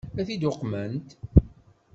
Ad t-id-uqment?